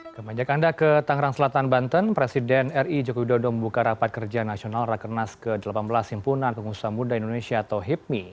kemenjak anda ke tangerang selatan banten presiden ri jokowi dodo membuka rapat kerja nasional rakernas ke delapan belas simpunan pengusaha muda indonesia atau hipmi